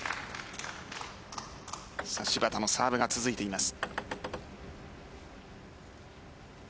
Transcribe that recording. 芝田のサーブが続いています。